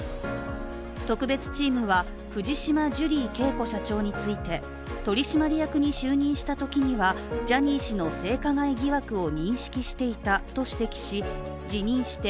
特別チームは、藤島ジュリー景子社長について取締役に就任したときにはジャニー氏の性加害疑惑を認識していたと指摘し、辞任して